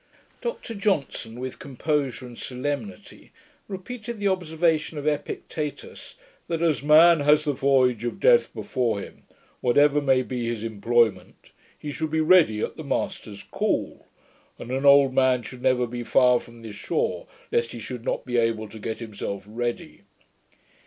Dr Johnson, with composure and solemnity, repeated the observation of Epictetus, that, 'as man has the voyage of death before him, whatever may be his employment, he should be ready at the master's call; and an old man should never be far from the shore, lest he should not be able to get himself ready'.